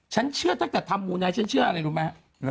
ฉันเชื่อถ้าจะทำมูลในชั้นเชื่ออะไรรู้ไหม